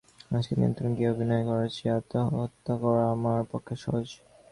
আজকের নিমন্ত্রণে গিয়ে অভিনয় করার চেয়ে আত্মহত্যা করা আমার পক্ষে সহজ।